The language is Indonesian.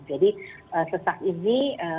jadi sesak ini